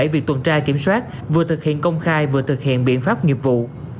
việc tuần tra kiểm soát vừa thực hiện công khai vừa thực hiện biện pháp nghiệp vụ